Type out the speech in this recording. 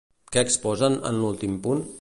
Què exposen en l'últim punt?